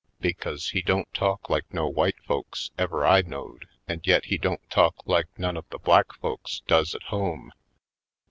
Because he don't talk like no white folks ever I knowed and yet he don't talk like none of the black folks does at home.